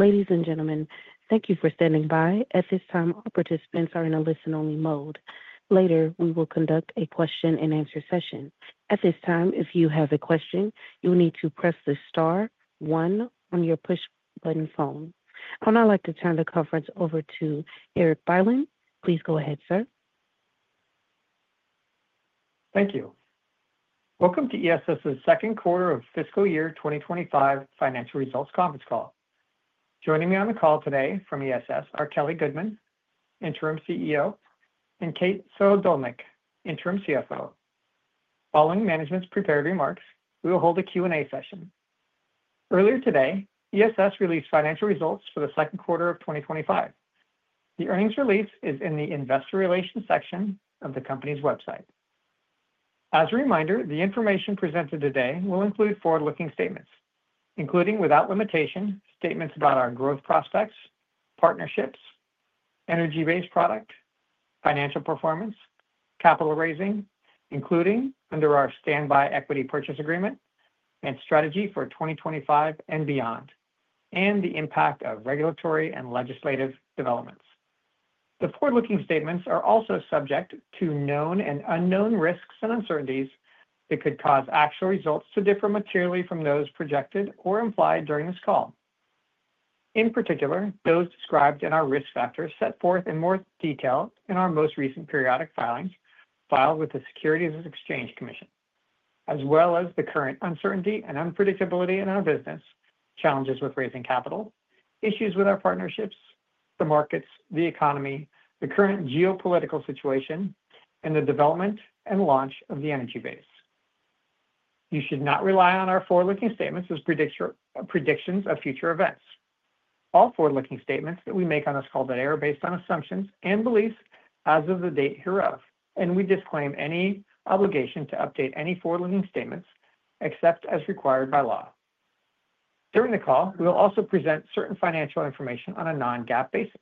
Ladies and gentlemen, thank you for standing by. At this time, all participants are in a listen-only mode. Later, we will conduct a question-and-answer session. At this time, if you have a question, you will need to press the star one on your push button phone. I would now like to turn the conference over to Eric Bylin. Please go ahead, sir. Thank you. Welcome to ESS second quarter of fiscal year 2025 financial results conference call. Joining me on the call today from ESS are Kelly Goodman, Interim Chief Executive Officer, and Kate Suhadolnik, Interim Chief Financial Officer. Following management's prepared remarks, we will hold a Q&A session. Earlier today, ESS released financial results for the second quarter of 2025. The earnings release is in the investor relations section of the company's website. As a reminder, the information presented today will include forward-looking statements, including without limitation statements about our growth prospects, partnerships, Energy Base product, financial performance, capital raising, including under our standby equity purchase agreement and strategy for 2025 and beyond, and the impact of regulatory and legislative developments. The forward-looking statements are also subject to known and unknown risks and uncertainties that could cause actual results to differ materially from those projected or implied during this call. In particular, those described in our risk factors set forth in more detail in our most recent periodic filings filed with the Securities and Exchange Commission, as well as the current uncertainty and unpredictability in our business, challenges with raising capital, issues with our partnerships, the markets, the economy, the current geopolitical situation, and the development and launch of the Energy Base. You should not rely on our forward-looking statements as predictions of future events. All forward-looking statements that we make on this call are based on assumptions and beliefs as of the date hereof, and we disclaim any obligation to update any forward-looking statements except as required by law. During the call, we will also present certain financial information on a non-GAAP basis.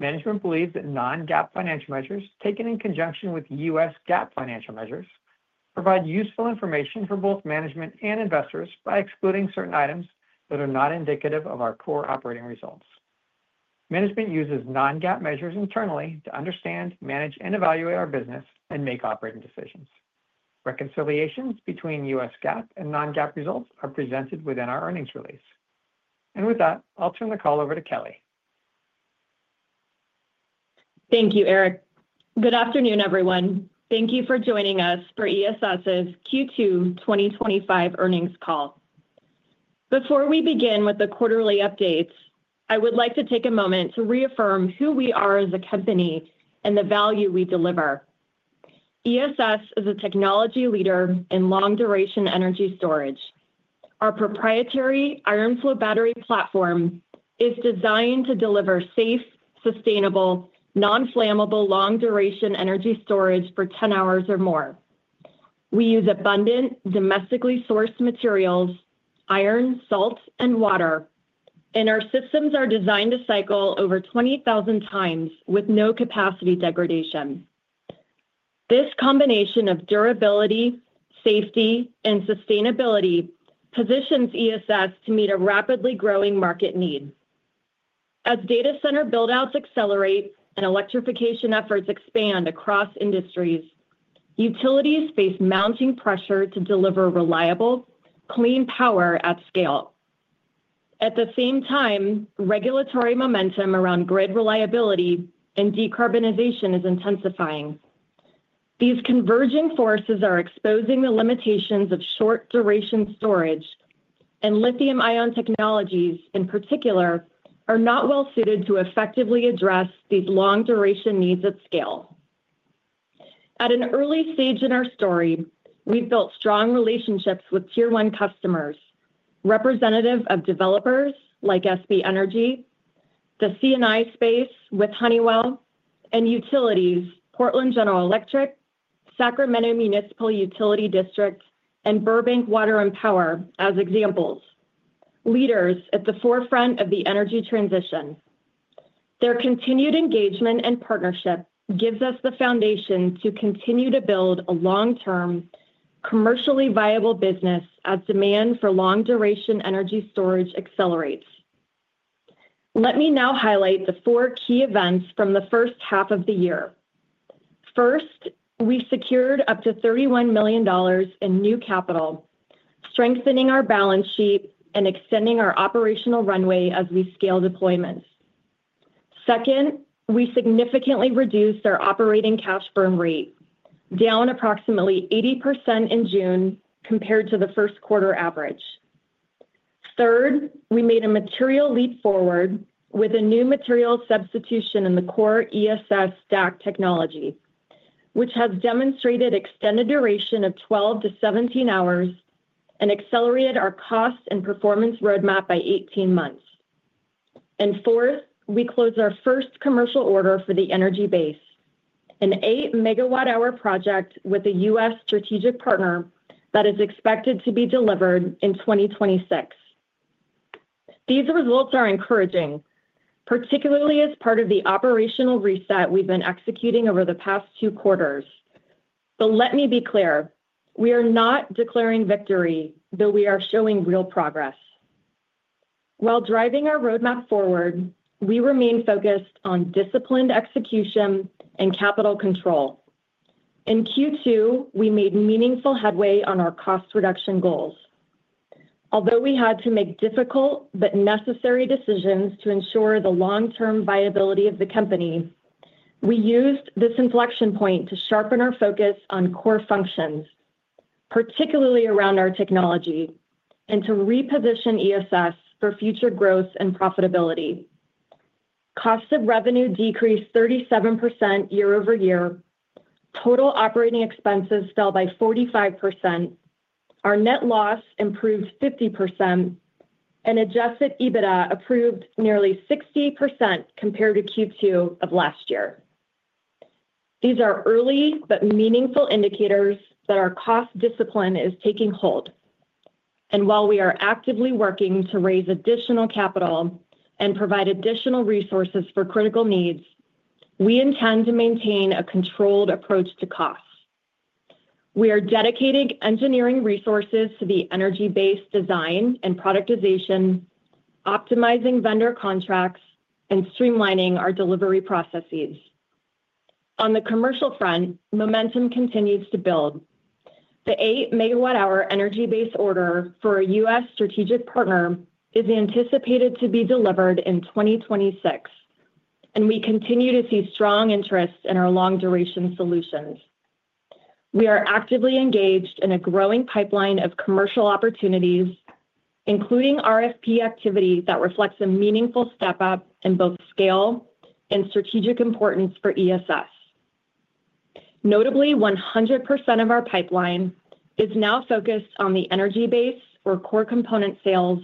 Management believes that non-GAAP financial measures taken in conjunction with U.S. GAAP financial measures provide useful information for both management and investors by excluding certain items that are not indicative of our core operating results. Management uses non-GAAP measures internally to understand, manage, and evaluate our business and make operating decisions. Reconciliations between U.S. GAAP and non-GAAP results are presented within our earnings release. With that, I'll turn the call over to Kelly. Thank you, Eric. Good afternoon, everyone. Thank you for joining us for ESS Q2 2025 earnings call. Before we begin with the quarterly updates, I would like to take a moment to reaffirm who we are as a company and the value we deliver. ESS is a technology leader in long-duration energy storage. Our proprietary Iron Flow battery platform is designed to deliver safe, sustainable, non-flammable long-duration energy storage for 10 hours or more. We use abundant, domestically sourced materials, iron, salt, and water, and our systems are designed to cycle over 20,000x with no capacity degradation. This combination of durability, safety, and sustainability positions ESS to meet a rapidly growing market need. As data center build-outs accelerate and electrification efforts expand across industries, utilities face mounting pressure to deliver reliable, clean power at scale. At the same time, regulatory momentum around grid reliability and decarbonization is intensifying. These converging forces are exposing the limitations of short-duration storage, and lithium-ion technologies, in particular, are not well suited to effectively address these long-duration needs at scale. At an early stage in our story, we've built strong relationships with Tier 1 customers, representative of developers like SB Energy, the C&I space with Honeywell, and utilities, Portland General Electric, Sacramento Municipal Utility District, and Burbank Water and Power as examples, leaders at the forefront of the energy transition. Their continued engagement and partnership gives us the foundation to continue to build a long-term, commercially viable business as demand for long-duration energy storage accelerates. Let me now highlight the four key events from the first half of the year. First, we secured up to $31 million in new capital, strengthening our balance sheet and extending our operational runway as we scale deployment. Second, we significantly reduced our operating cash burn rate, down approximately 80% in June compared to the first quarter average. Third, we made a material leap forward with a new material substitution in the core ESS stack technology, which has demonstrated extended duration of 12-17 hours and accelerated our cost and performance roadmap by 18 months. Fourth, we closed our first commercial order for the Energy Base, an eight-megawatt-hour project with a U.S. strategic partner that is expected to be delivered in 2026. These results are encouraging, particularly as part of the operational reset we've been executing over the past two quarters. Let me be clear, we are not declaring victory, though we are showing real progress. While driving our roadmap forward, we remain focused on disciplined execution and capital control. In Q2, we made meaningful headway on our cost reduction goals. Although we had to make difficult but necessary decisions to ensure the long-term viability of the company, we used this inflection point to sharpen our focus on core functions, particularly around our technology, and to reposition ESS for future growth and profitability. Cost of revenue decreased 37% year-over-year, total operating expenses fell by 45%, our net loss improved 50%, and adjusted EBITDA improved nearly 60% compared to Q2 of last year. These are early but meaningful indicators that our cost discipline is taking hold. While we are actively working to raise additional capital and provide additional resources for critical needs, we intend to maintain a controlled approach to costs. We are dedicating engineering resources to the Energy Base design and productization, optimizing vendor contracts, and streamlining our delivery processes. On the commercial front, momentum continues to build. The eight-megawatt-hour Energy Base order for a U.S. strategic partner is anticipated to be delivered in 2026, and we continue to see strong interest in our long-duration solutions. We are actively engaged in a growing pipeline of commercial opportunities, including RFP activity that reflects a meaningful step up in both scale and strategic importance for ESS. Notably, 100% of our pipeline is now focused on the Energy Base or core component sales,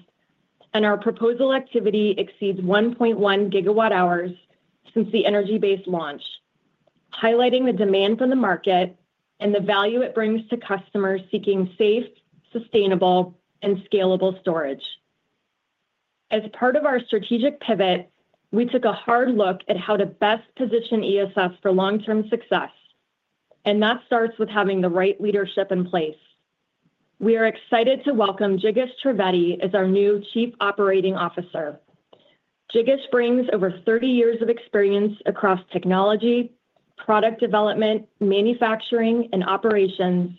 and our proposal activity exceeds 1.1 GW hours since the Energy Base launch, highlighting the demand from the market and the value it brings to customers seeking safe, sustainable, and scalable storage. As part of our strategic pivot, we took a hard look at how to best position ESS for long-term success, and that starts with having the right leadership in place. We are excited to welcome Jigis Trivedi as our new Chief Operating Officer. Jigis brings over 30 years of experience across technology, product development, manufacturing, and operations,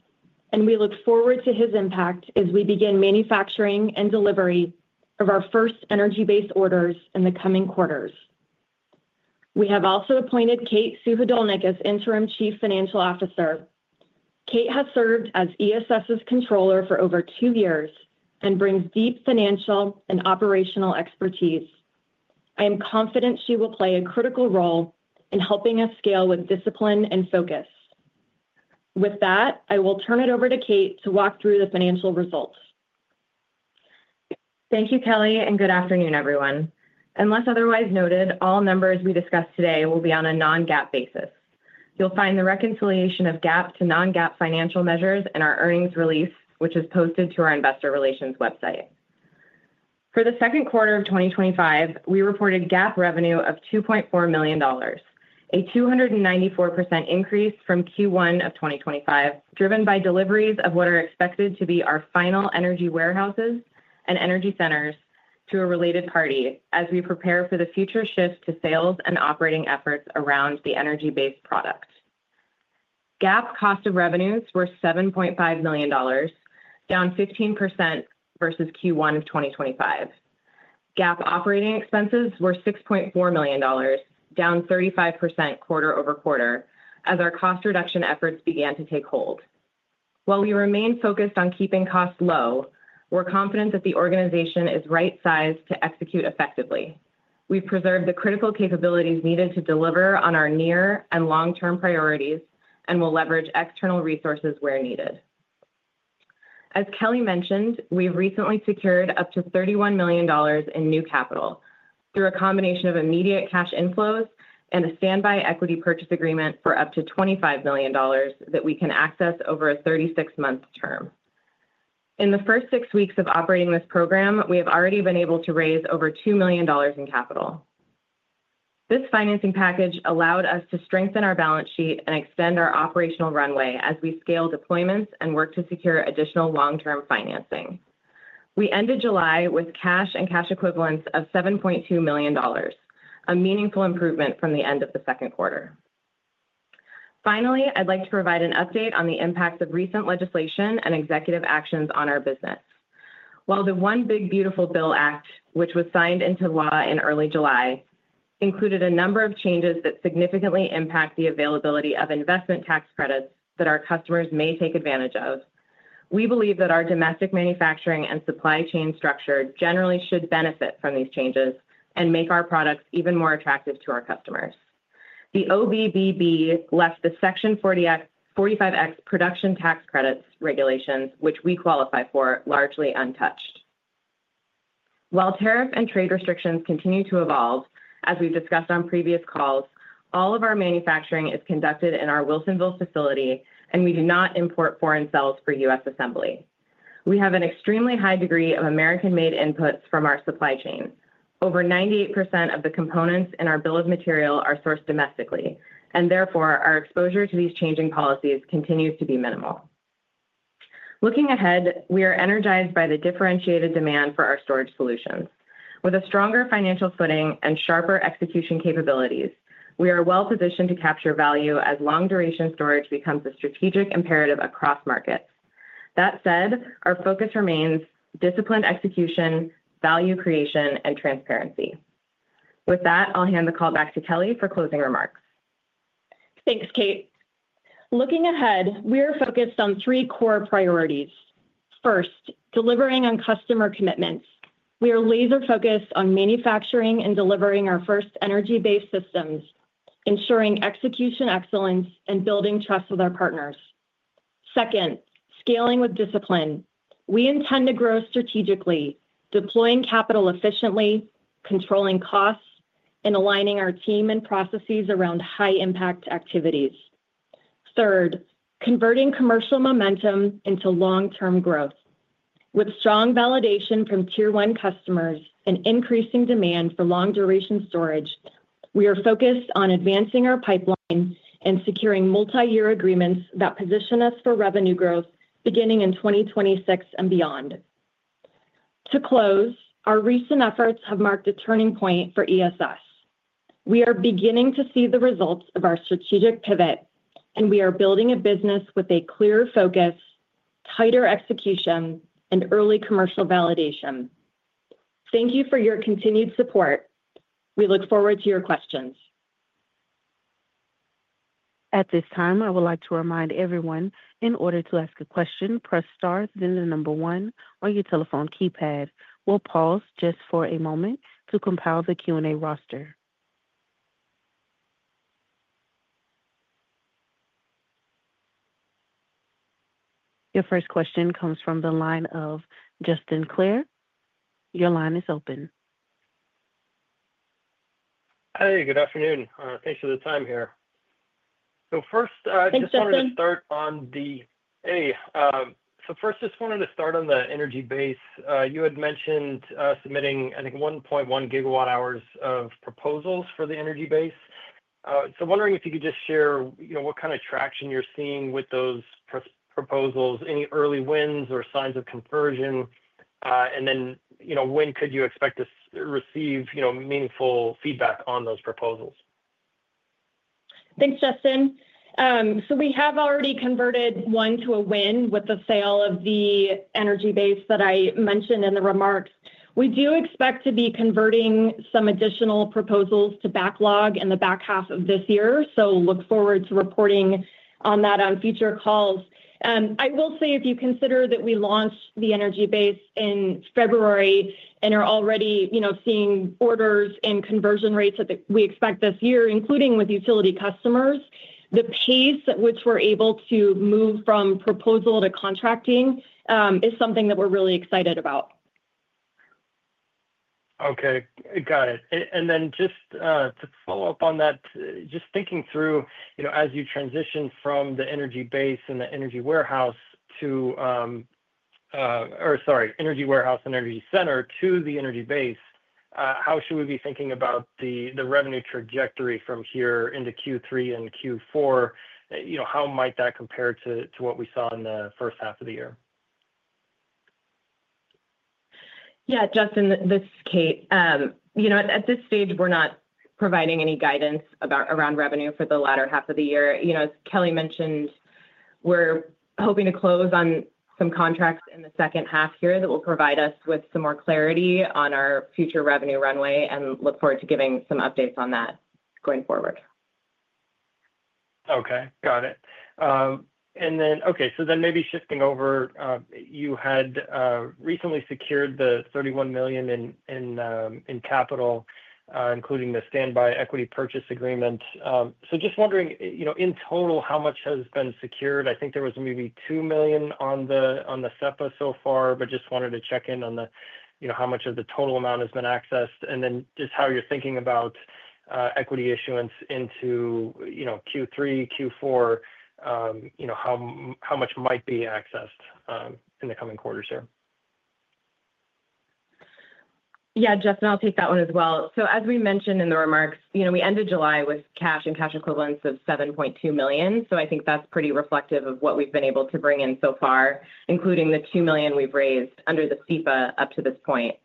and we look forward to his impact as we begin manufacturing and delivery of our first Energy Base orders in the coming quarters. We have also appointed Kate Suhadolnik as Interim Chief Financial Officer. Kate has served as ESS controller for over two years and brings deep financial and operational expertise. I am confident she will play a critical role in helping us scale with discipline and focus. With that, I will turn it over to Kate to walk through the financial results. Thank you, Kelly, and good afternoon, everyone. Unless otherwise noted, all numbers we discuss today will be on a non-GAAP basis. You'll find the reconciliation of GAAP to non-GAAP financial measures in our earnings release, which is posted to our investor relations website. For the second quarter of 2025, we reported GAAP revenue of $2.4 million, a 294% increase from Q1 of 2025, driven by deliveries of what are expected to be our final Energy Warehouse and Energy Center products to a related party as we prepare for the future shift to sales and operating efforts around the Energy Base product. GAAP cost of revenues were $7.5 million, down 15% versus Q1 of 2025. GAAP operating expenses were $6.4 million, down 35% quarter-over-quarter as our cost reduction efforts began to take hold. While we remain focused on keeping costs low, we're confident that the organization is right-sized to execute effectively. We've preserved the critical capabilities needed to deliver on our near and long-term priorities and will leverage external resources where needed. As Kelly mentioned, we've recently secured up to $31 million in new capital through a combination of immediate cash inflows and a standby equity purchase agreement for up to $25 million that we can access over a 36-month term. In the first six weeks of operating this program, we have already been able to raise over $2 million in capital. This financing package allowed us to strengthen our balance sheet and extend our operational runway as we scale deployments and work to secure additional long-term financing. We ended July with cash and cash equivalents of $7.2 million, a meaningful improvement from the end of the second quarter. Finally, I'd like to provide an update on the impacts of recent legislation and executive actions on our business. While the One Big Beautiful Bill Act, which was signed into law in early July, included a number of changes that significantly impact the availability of investment tax credits that our customers may take advantage of, we believe that our domestic manufacturing and supply chain structure generally should benefit from these changes and make our products even more attractive to our customers. The OBBB left the Section 45X production tax credits regulations, which we qualify for, largely untouched. While tariff and trade restrictions continue to evolve, as we've discussed on previous calls, all of our manufacturing is conducted in our Wilsonville facility, and we do not import foreign cells for U.S. assembly. We have an extremely high degree of American-made inputs from our supply chain. Over 98% of the components in our bill of material are sourced domestically, and therefore, our exposure to these changing policies continues to be minimal. Looking ahead, we are energized by the differentiated demand for our storage solutions. With a stronger financial footing and sharper execution capabilities, we are well positioned to capture value as long-duration storage becomes a strategic imperative across markets. That said, our focus remains disciplined execution, value creation, and transparency. With that, I'll hand the call back to Kelly for closing remarks. Thanks, Kate. Looking ahead, we are focused on three core priorities. First, delivering on customer commitments. We are laser-focused on manufacturing and delivering our first Energy Base systems, ensuring execution excellence, and building trust with our partners. Second, scaling with discipline. We intend to grow strategically, deploying capital efficiently, controlling costs, and aligning our team and processes around high-impact activities. Third, converting commercial momentum into long-term growth. With strong validation from Tier 1 customers and increasing demand for long-duration storage, we are focused on advancing our pipeline and securing multi-year agreements that position us for revenue growth beginning in 2026 and beyond. To close, our recent efforts have marked a turning point for ESS. We are beginning to see the results of our strategic pivot, and we are building a business with a clear focus, tighter execution, and early commercial validation. Thank you for your continued support. We look forward to your questions. At this time, I would like to remind everyone, in order to ask a question, press star, then the number one on your telephone keypad. We'll pause just for a moment to compile the Q&A roster. Your first question comes from the line of Justin Clare. Your line is open. Good afternoon. Thanks for the time here. I just wanted to start on the Energy Base. You had mentioned submitting, I think, 1.1 GW-hours of proposals for the Energy Base. Wondering if you could just share what kind of traction you're seeing with those proposals, any early wins or signs of conversion, and when you could expect to receive meaningful feedback on those proposals? Thanks, Justin. We have already converted one to a win with the sale of the Energy Base that I mentioned in the remarks. We expect to be converting some additional proposals to backlog in the back half of this year, so look forward to reporting on that on future calls. I will say, if you consider that we launched the Energy Base in February and are already seeing orders and conversion rates that we expect this year, including with utility customers, the pace at which we're able to move from proposal to contracting is something that we're really excited about. Okay. Got it. Just to follow up on that, just thinking through, you know, as you transition from the Energy Warehouse and the Energy Center to the Energy Base, how should we be thinking about the revenue trajectory from here into Q3 and Q4? How might that compare to what we saw in the first half of the year? Yeah, Justin, this is Kate. At this stage, we're not providing any guidance around revenue for the latter half of the year. As Kelly mentioned, we're hoping to close on some contracts in the second half here that will provide us with some more clarity on our future revenue runway and look forward to giving some updates on that going forward. Okay. Got it. Maybe shifting over, you had recently secured the $31 million in capital, including the standby equity purchase agreement. Just wondering, in total, how much has been secured? I think there was maybe $2 million on the SEPA so far, but just wanted to check in on how much of the total amount has been accessed and how you're thinking about equity issuance into Q3, Q4, how much might be accessed in the coming quarters here? Yeah, Justin, I'll take that one as well. As we mentioned in the remarks, we ended July with cash and cash equivalents of $7.2 million. I think that's pretty reflective of what we've been able to bring in so far, including the $2 million we've raised under the standby equity purchase agreement up to this point.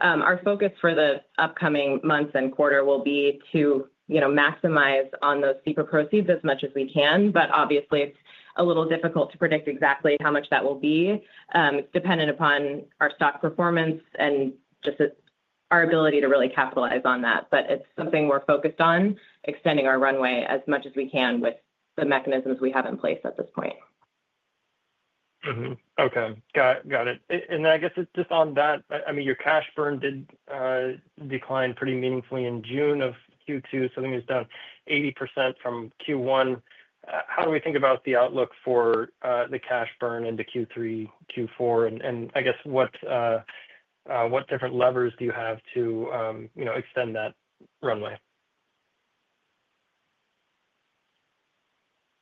Our focus for the upcoming months and quarter will be to maximize on those standby equity purchase agreement proceeds as much as we can, but obviously, it's a little difficult to predict exactly how much that will be dependent upon our stock performance and just our ability to really capitalize on that. It's something we're focused on, extending our runway as much as we can with the mechanisms we have in place at this point. Okay. Got it. I guess just on that, your cash burn did decline pretty meaningfully in June of Q2. I think it was down 80% from Q1. How do we think about the outlook for the cash burn into Q3, Q4? I guess what different levers do you have to extend that runway?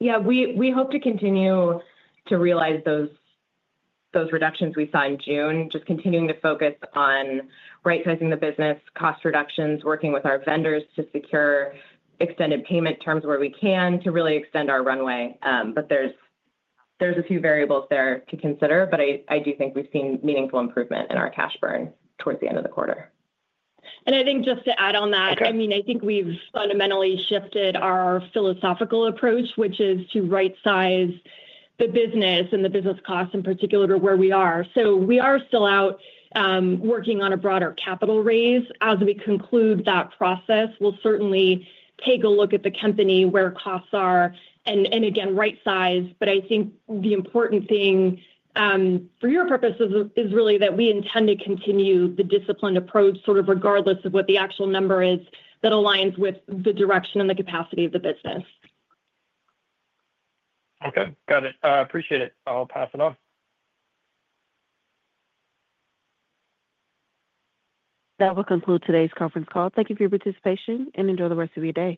Yeah, we hope to continue to realize those reductions we saw in June, just continuing to focus on right-sizing the business, cost reductions, working with our vendors to secure extended payment terms where we can to really extend our runway. There are a few variables there to consider, but I do think we've seen meaningful improvement in our cash burn towards the end of the quarter. I think just to add on that, I mean, I think we've fundamentally shifted our philosophical approach, which is to right-size the business and the business costs in particular to where we are. We are still out working on a broader capital raise. As we conclude that process, we'll certainly take a look at the company, where costs are, and again, right-size. I think the important thing for your purposes is really that we intend to continue the disciplined approach, sort of regardless of what the actual number is that aligns with the direction and the capacity of the business. Okay, got it. Appreciate it. I'll pass it on. That will conclude today's conference call. Thank you for your participation and enjoy the rest of your day.